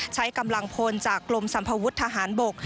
ใช้กำลังพลจากกรมสัมภวุฒิทหารบก